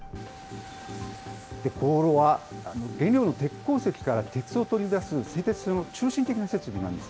高炉は原料の鉄鉱石から鉄を取り出す、製鉄所の中心的な設備なんです。